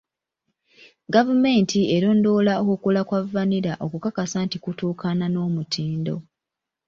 Gavumenti erondoola okukula kwa vanilla okukakasa nti kutuukaana n'omutindo.